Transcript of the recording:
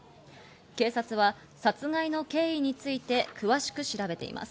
警察は殺害の経緯について詳しく調べています。